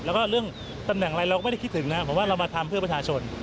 แล้วก็เรื่องตำแหน่งอะไรเราก็ไม่ได้คิดถึงนะผมว่าเรามาทำเพื่อประชาชน